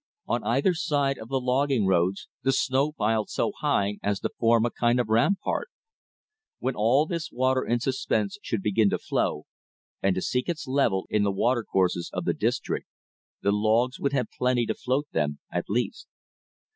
On either side of the logging roads the snow piled so high as to form a kind of rampart. When all this water in suspense should begin to flow, and to seek its level in the water courses of the district, the logs would have plenty to float them, at least.